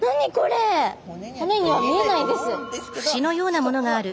骨には見えないです。